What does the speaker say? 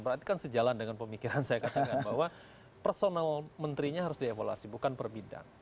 berarti kan sejalan dengan pemikiran saya katakan bahwa personal menterinya harus dievaluasi bukan per bidang